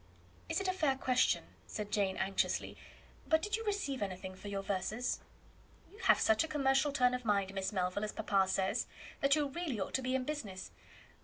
"Is it a fair question," said Jane, anxiously; "but did you receive anything for your verses?" "You have such a commercial turn of mind, Miss Melville, as papa says, that you really ought to be in business.